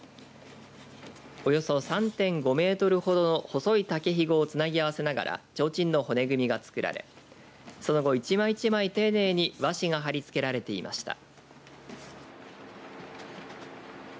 およそ３．５メートルほどの細い竹ひごをつなぎ合わせながらちょうちんの骨組みが作られその後、１枚１枚丁寧に和紙が貼り付けられていました。